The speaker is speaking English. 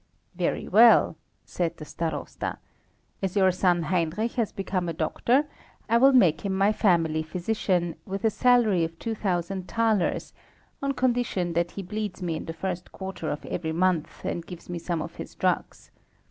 "Very well," said the Starosta, "as your son Heinrich has become a doctor, I will make him my family physician, with a salary of 2000 thalers, on condition that he bleeds me in the first quarter of every month, and gives me some of his drugs.